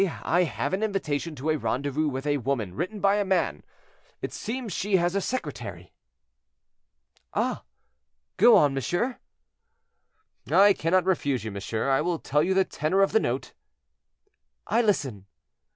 I have an invitation to a rendezvous with a woman, written by a man; it seems she has a secretary." "Ah! go on, monsieur." "I cannot refuse you, monsieur. I will tell you the tenor of the note." "I listen."